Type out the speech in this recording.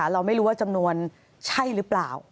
เราไม่รู้ว่าจำนวนใช่หรือเปล่า